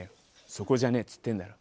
そこじゃねえっつってんだろ。